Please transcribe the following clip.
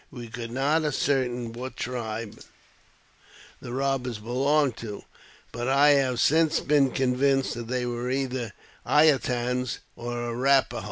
We could not ascertain what tribe the 48 AUTOBIOGRAPHY OF robbers belonged to, but I have since been convinced that they were either the I a tans or the Arrap a hos.